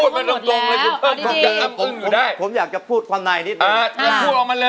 คนสวยคู่กับอะไรครับรู้หรือยัง